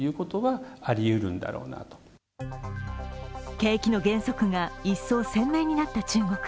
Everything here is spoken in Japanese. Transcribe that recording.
景気の減速が一層鮮明になった中国。